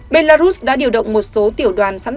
belarus đã điều động một số tiểu đoàn gia đình